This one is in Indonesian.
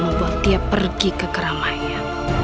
membuat dia pergi ke keramaian